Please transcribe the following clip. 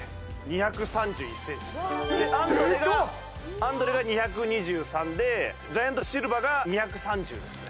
アンドレが２２３でジャイアント・シルバが２３０ですね。